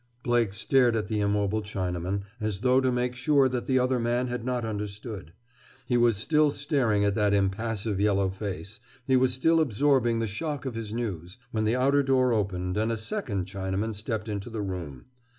Blake stared at the immobile Chinaman, as though to make sure that the other man had not understood. He was still staring at that impassive yellow face, he was still absorbing the shock of his news, when the outer door opened and a second Chinaman stepped into the room.